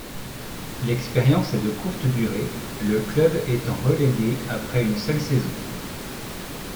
L'expérience est de courte durée, le club étant relégué après une seule saison.